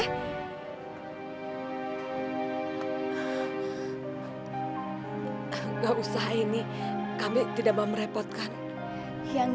tidak usah ini kami tidak mau merepotkan yang